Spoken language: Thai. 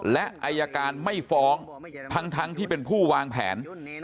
และอายการไม่ฟ้องทั้งที่เป็นผู้วางแผน